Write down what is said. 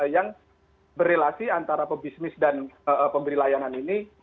yang berrelasi antara pebisnis dan pemberi layanan ini